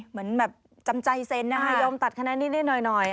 เหมือนแบบจำใจเซ็นนะคะยอมตัดคะแนนนิดหน่อย